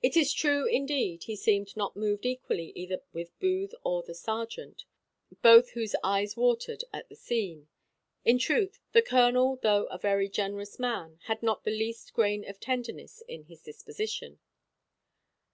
It is true, indeed, he seemed not moved equally either with Booth or the serjeant, both whose eyes watered at the scene. In truth, the colonel, though a very generous man, had not the least grain of tenderness in his disposition.